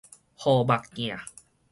和目鏡